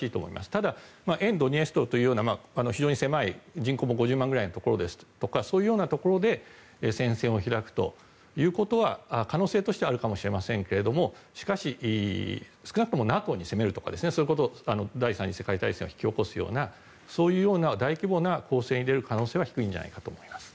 ただ沿ドニエストルというような非常に狭い、人口も５０万人というところですとかそういうところで戦線を開くということは可能性としてはあるかもしれませんがしかし、少なくともＮＡＴＯに攻めるとかそういう、第３次世界大戦を引き起こすようなそういう大規模な攻勢に出る可能性は低いんじゃないかと思います。